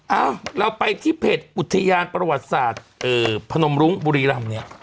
เอ้าเราไปที่เพจอุทยานประวัติศาสตร์พนมรุ้งบุรีรำเนี่ย